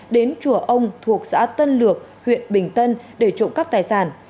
đến chùa ông thuộc xã tân lược huyện bình tân để trộm cắp tài sản